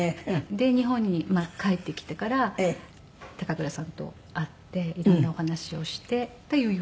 で日本に帰ってきてから高倉さんと会って色んなお話をしてというような。